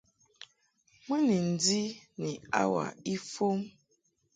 Mɨ ni ndi ni hour ifɔm.